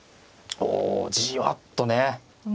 おじわっとね。